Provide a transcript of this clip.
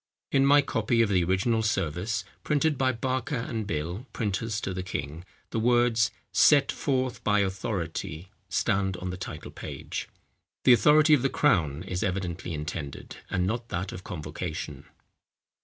In my copy of the original service printed by Barker and Bill, printers to the king, the words "Set forth by authority," stand on the title page. The authority of the crown is evidently intended, and not that of convocation.